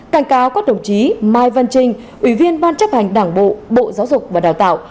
cảnh cáo các đồng chí mai văn trinh ủy viên ban chấp hành đảng bộ bộ giáo dục và đào tạo